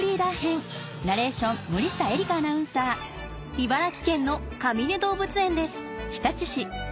茨城県のかみね動物園です。